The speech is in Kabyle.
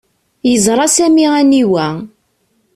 Yeẓra Sami aniwa.